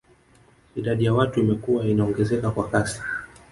Idadi ya watu imekuwa inaongezeka kwa kasi